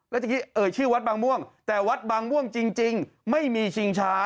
แล้วเมื่อกี้เอ่ยชื่อวัดบางม่วงแต่วัดบางม่วงจริงไม่มีชิงช้า